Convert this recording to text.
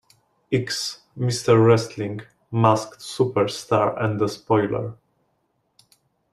X, Mr. Wrestling, Masked Superstar and the Spoiler.